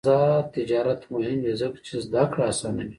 آزاد تجارت مهم دی ځکه چې زدکړه اسانوي.